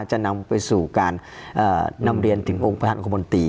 จะนำไปสู่การนำเรียนถึงองค์ประธานคมนตรี